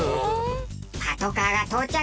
パトカーが到着。